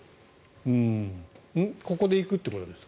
ここで行くってことですか？